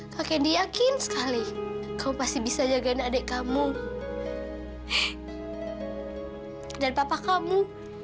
kak kendi yakin sekali kamu pasti bisa jaga anak adik kamu dan papa kamu